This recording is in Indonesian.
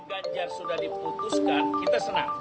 ganjar sudah diputuskan kita senang